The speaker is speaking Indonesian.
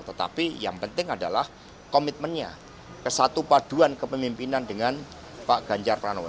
tetapi yang penting adalah komitmennya kesatu paduan kepemimpinan dengan pak ganjar pranowo